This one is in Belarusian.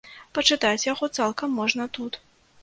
Пачытаць яго цалкам можна тут.